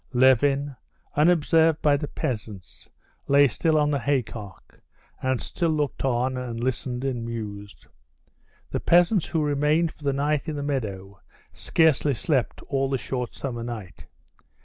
Levin, unobserved by the peasants, still lay on the haycock, and still looked on and listened and mused. The peasants who remained for the night in the meadow scarcely slept all the short summer night.